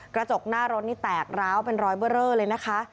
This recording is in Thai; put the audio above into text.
กระจกหน้ารถนี่แตกร้าวเป็นรอยเบอร์เรอเลยนะคะ